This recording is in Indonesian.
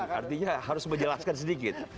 artinya harus menjelaskan sedikit